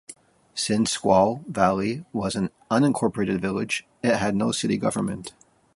Since Squaw Valley was an unincorporated village it had no city government.